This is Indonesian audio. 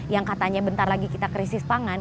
yang katanya bentar lagi kita krisis pangan